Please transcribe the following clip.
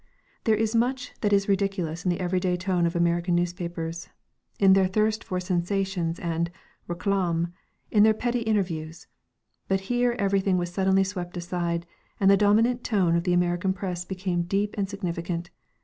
There is much that is ridiculous in the every day tone of American newspapers, in their thirst for sensations and réclame, in their petty interviews. But here everything was suddenly swept aside, and the dominant tone of the American press became deep and significant.